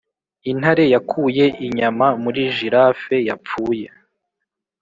intare yakuye inyama muri giraffe yapfuye.